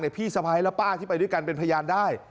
พี่สะพ้ายและป้าที่ไปด้วยกันเป็นพยานได้